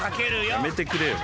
やめてくれよ。